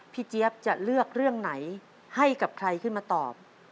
เจี๊ยบจะเลือกเรื่องไหนให้กับใครขึ้นมาตอบ